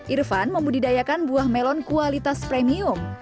irfan membudidayakan buah melon kualitas premium